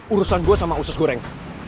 urusan gue sama usus goreng